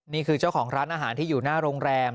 นี่คือเจ้าของร้านอาหารที่อยู่หน้าโรงแรม